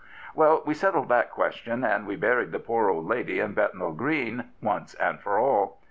Well, we settled that question, and we buried the poor old lady in Bethnal Green, once and for all."